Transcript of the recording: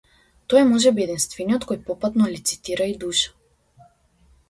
Тој е можеби единствениот кој попатно лицитира и душа.